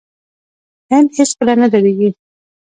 هند هیڅکله نه دریږي.